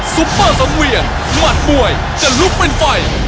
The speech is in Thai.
ซุปเปอร์สังเวียนหมัดมวยจะลุกเป็นไฟ